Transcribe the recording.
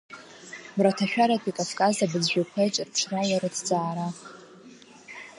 Мраҭашәаратәи Кавказ абызшәақәа еиҿырԥшрала рыҭҵаара.